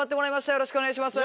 よろしくお願いします。